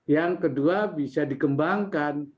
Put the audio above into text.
yang kedua bisa dikembangkan